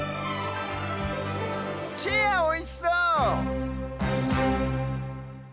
チェアおいしそう！